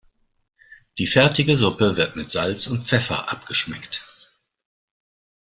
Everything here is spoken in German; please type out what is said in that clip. Die fertige Suppe wird mit Salz und Pfeffer abgeschmeckt.